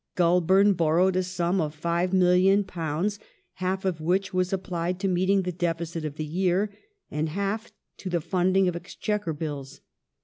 Goulburn borrowed a sum of £5,000,000, half of which was applied to meeting the deficit of the year, and half to the funding of Exchequer Bills.